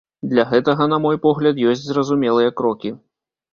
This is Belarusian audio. Для гэтага, на мой погляд, ёсць зразумелыя крокі.